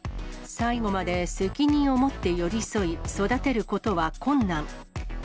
最後まで責任を持って寄り添い、育てることは困難。